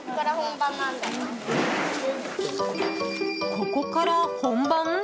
ここから本番？